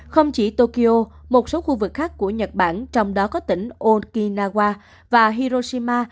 không chỉ tokyo một số khu vực khác của nhật bản trong đó có tỉnh onkinawa và hiroshima